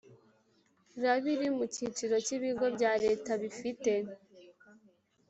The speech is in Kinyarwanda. Rab iri mu cyiciro cy ibigo bya leta bifite